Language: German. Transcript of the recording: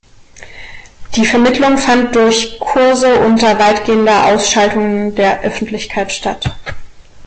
Die Vermittlung fand durch Kurse unter weitgehender Ausschaltung der Öffentlichkeit statt.